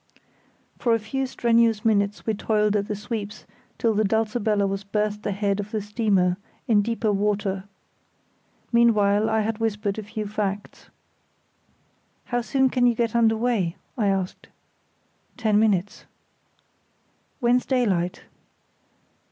For a few strenuous minutes we toiled at the sweeps till the Dulcibella was berthed ahead of the steamer, in deeper water. Meanwhile I had whispered a few facts. "How soon can you get under way?" I asked. "Ten minutes." "When's daylight?"